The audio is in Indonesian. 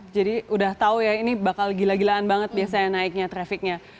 jadi udah tau ya ini bakal gila gilaan banget biasanya naiknya trafficnya